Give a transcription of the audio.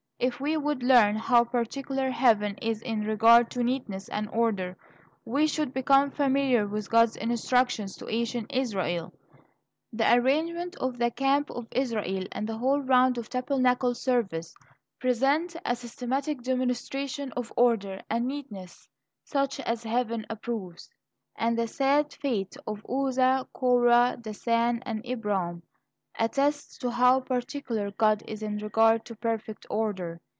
If we would learn how particular Heaven is in regard to neatness and order, we should become familiar with God's instructions to ancient Israel. The arrangement of the camp of Israel, and the whole round of tabernacle service, present a systematic demonstration of order and neatness such as Heaven approves. And the sad fate of Uzzah, Korah, Dathan, and Abiram, attests to how particular God is in regard to perfect order.